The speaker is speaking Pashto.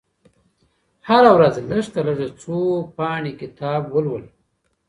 هره ورځ لږترلږه څو پاڼې کتاب ولولئ.